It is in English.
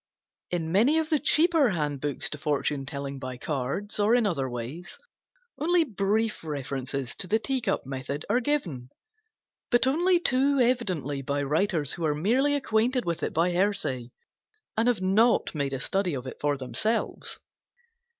In many of the cheaper handbooks to Fortune telling by Cards or in other ways only brief references to the Tea cup method are given; but only too evidently by writers who are merely acquainted with it by hearsay and have not made a study of it for themselves.